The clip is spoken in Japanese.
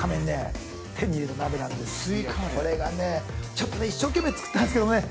ちょっとね一生懸命作ったんですけどね